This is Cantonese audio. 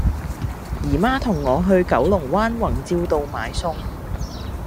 姨媽同我去九龍灣宏照道買餸